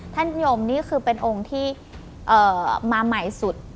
นิยมนี่คือเป็นองค์ที่มาใหม่สุด